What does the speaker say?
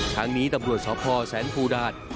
ทั้งนี้ตำรวจสพแสนภูดาต